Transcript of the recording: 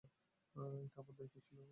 এটা আমার দায়িত্ব ছিল।